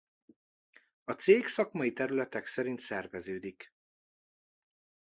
A cég szakmai területek szerint szerveződik.